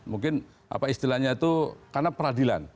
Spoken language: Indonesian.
mungkin apa istilahnya itu karena peradilan